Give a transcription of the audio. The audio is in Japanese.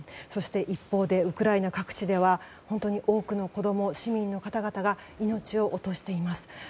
そして一方でウクライナ各地では本当に多くの子供、市民の方々が命を落としています。